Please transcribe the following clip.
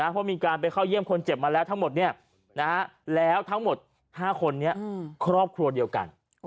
เพราะมีการไปเข้าเยี่ยมคนเจ็บมาแล้วทั้งหมดแล้วทั้งหมด๕คนนี้ครอบครัวเดียวกัน